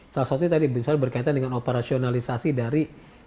salah satunya tadi misalnya berkaitan dengan operasionalisasi dari